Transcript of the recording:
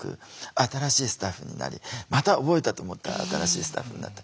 新しいスタッフになりまた覚えたと思ったら新しいスタッフになって。